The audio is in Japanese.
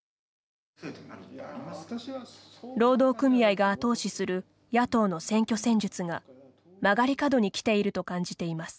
労働組合が後押しする野党の選挙戦術が曲がり角に来ていると感じています。